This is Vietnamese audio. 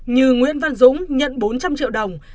như nguyễn văn dũng nhận bốn trăm linh triệu đồng